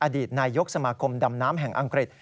อดีตนายยกสมาคมดำน้ำแห่งอังกฤษ